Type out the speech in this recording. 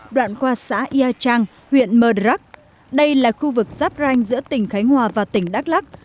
đoạn qua xã yà trang huyện mơ đức đây là khu vực giáp ranh giữa tỉnh khánh hòa và tỉnh đắk lắc